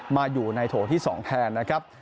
มาอยู่ในโถที่๒แทนนะครับ